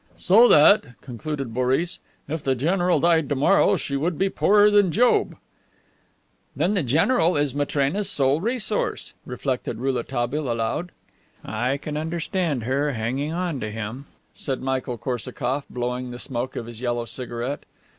"So that," concluded Boris, "if the general died tomorrow she would be poorer than Job." "Then the general is Matrena's sole resource," reflected Rouletabille aloud. "I can understand her hanging onto him," said Michael Korsakoff, blowing the smoke of his yellow cigarette.